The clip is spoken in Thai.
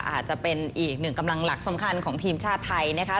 อาจจะเป็นอีกหนึ่งกำลังหลักสำคัญของทีมชาติไทยนะคะ